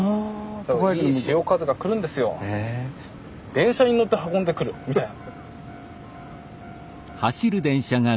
電車に乗って運んでくるみたいな。